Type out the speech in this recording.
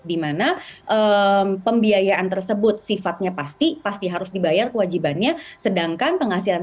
dimana pembiayaan tersebut sifatnya pasti pasti harus dibayar kewajibannya sedangkan penghasilan